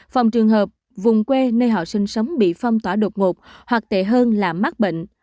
phòng trường hợp vùng quê nơi họ sinh sống bị phong tỏa đột ngột hoặc tệ hơn là mắc bệnh